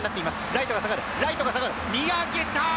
ライトが下がるライトが下がる見上げた！